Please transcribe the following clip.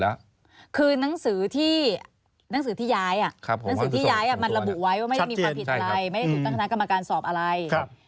ไม่ได้ถูกตั้งกรรมการสอบอะไร